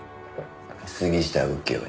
杉下右京に。